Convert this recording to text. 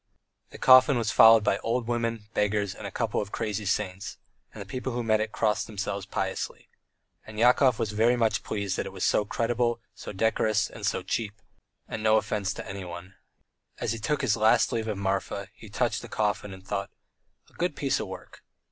The coffin was followed by old women, beggars, and a couple of crazy saints, and the people who met it crossed themselves piously. ... And Yakov was very much pleased that it was so creditable, so decorous, and so cheap, and no offence to anyone. As he took his last leave of Marfa he touched the coffin and thought: "A good piece of work!"